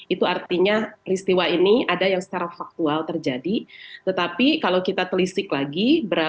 itu artinya peristiwa ini ada yang secara faktual terjadi tetapi kalau kita telisik lagi